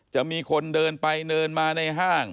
จะมีคนเดินไปเดินมาในห้าง